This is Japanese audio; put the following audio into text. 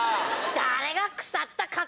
誰が腐ったかた